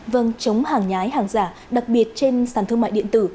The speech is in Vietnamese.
vâng chống hàng nhái hàng giả đặc biệt trên sàn thương mại điện tử